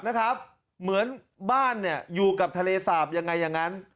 เหมือนบ้านเนี่ยอยู่กับทะเลสาบยังไงอย่างนั้น